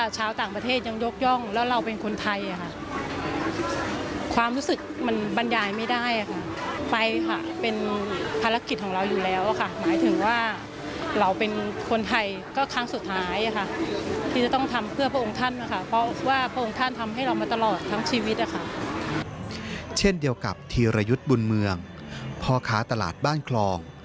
เช่นเดียวกับธีรยุทธ์บุญเมืองพ่อค้าตลาดบ้านคลอง